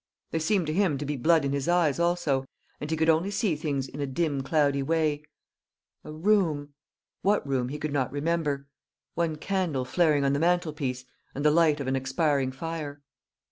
There seemed to him to be blood in his eyes also; and he could only see things in a dim cloudy way a room what room he could not remember one candle flaring on the mantelpiece, and the light of an expiring fire.